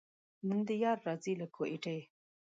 نن دې یار راځي له کوټې.